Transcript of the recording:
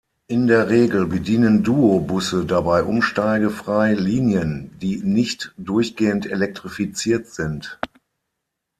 In der Regel bedienen Duo-Busse dabei umsteigefrei Linien, die nicht durchgehend elektrifiziert sind.